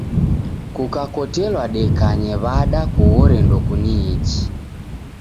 Kukakotelwa dekanye w'ada kughore ndokuniichi.